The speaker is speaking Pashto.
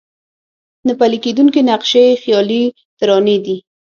نه پلي کېدونکي نقشې خيالي ترانې دي.